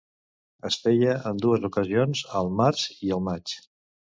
Es feia en dues ocasions, al març i al maig.